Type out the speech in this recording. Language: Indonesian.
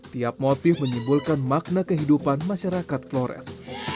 tiap motif menyimpulkan makna kehidupan masyarakat flores